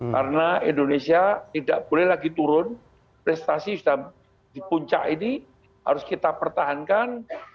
karena indonesia tidak boleh lagi turun prestasi sudah di puncak ini harus kita pertahankan